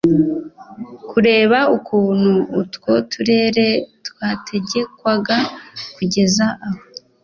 - kureba ukuntu utwo turere twategekwaga kugeza aho